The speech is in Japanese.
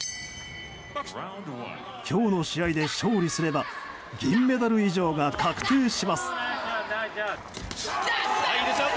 今日の試合で勝利すれば銀メダル以上が確定します。